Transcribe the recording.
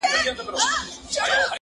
دا ټولنه به نو څنکه اصلاح کيږي-